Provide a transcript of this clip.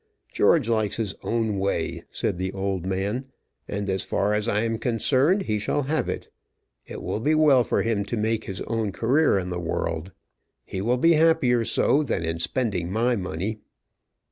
"George likes his own way," said the old man, "and as far as I am concerned, he shall have it. It will be well for him to make his own career in the world; he will be happier so than in spending my money."